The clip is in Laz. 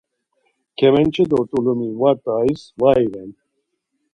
Kemençe do t̆ulumi var t̆ayis var iven.